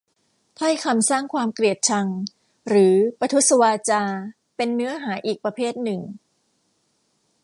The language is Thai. ถ้อยคำสร้างความเกลียดชัง หรือ ประทุษวาจา เป็นเนื้อหาอีกประเภทหนึ่ง